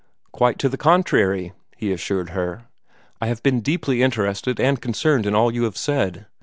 "Quite to the contrary," he assured her; "I have been deeply interested and concerned in all you have said.